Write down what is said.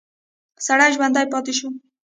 سړی ژوندی پاتې شو.